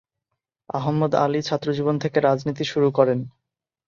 আহম্মদ আলী ছাত্র জীবন থেকে রাজনীতি শুরু করেন।